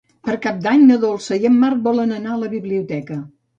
Per Cap d'Any na Dolça i en Marc volen anar a la biblioteca.